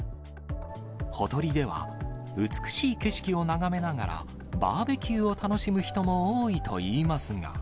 ほとりでは、美しい景色を眺めながらバーベキューを楽しむ人も多いといいますが。